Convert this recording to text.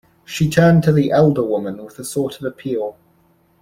She turned to the elder woman with a sort of appeal.